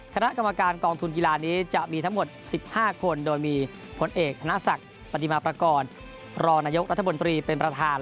คณะกรรมการกองทุนกีฬานี้จะมีทั้งหมด๑๕คนโดยมีผลเอกธนศักดิ์ปฏิมาประกอบรองนายกรัฐมนตรีเป็นประธาน